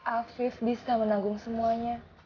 afif bisa menanggung semuanya